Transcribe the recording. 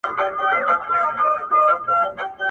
په خپلو اوښکو.